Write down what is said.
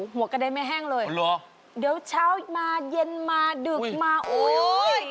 หัวกระแดงไม่แห้งเลยเดี๋ยวเช้ามาเย็นมาดึกมาโอ้โฮโอ้โฮ